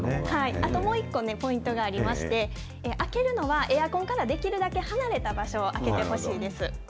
あと１個ポイントがありまして、開けるのは、できるだけ離れた場所、開けてほしいです。